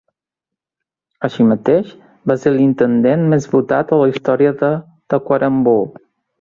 Així mateix, va ser l'intendent més votat de la història de Tacuarembó.